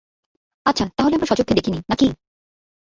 আচ্ছা, তাহলে আমরা স্বচক্ষে দেখে নিই, নাকি?